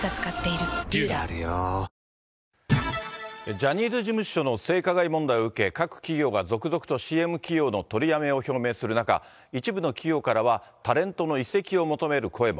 ジャニーズ事務所の性加害問題を受け、各企業が続々とＣＭ起用の取りやめを表明する中、一部の企業からは、タレントの移籍を求める声も。